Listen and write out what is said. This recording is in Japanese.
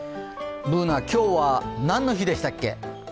Ｂｏｏｎａ、今日は何の日でしたっけ？